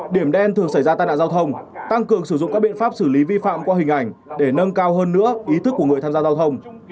điểm đen thường xảy ra tai nạn giao thông tăng cường sử dụng các biện pháp xử lý vi phạm qua hình ảnh để nâng cao hơn nữa ý thức của người tham gia giao thông